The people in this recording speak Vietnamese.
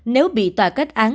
nếu bị tòa kết án